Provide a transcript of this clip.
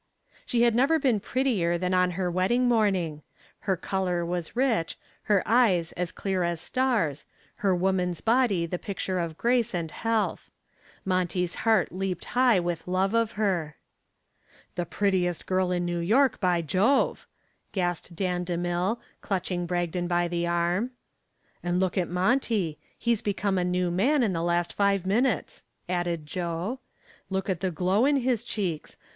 She had never been prettier than on her wedding morning. Her color was rich, her eyes as clear as stars, her woman's body the picture of grace and health. Monty's heart leaped high with love of her. "The prettiest girl in New York, by Jove," gasped Dan DeMille, clutching Bragdon by the arm. "And look at Monty! He's become a new man in the last five minutes," added Joe. "Look at the glow in his cheeks!